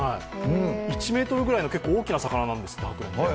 １ｍくらいの結構大きな魚なんです。